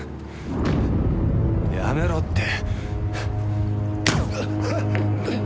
やめろって！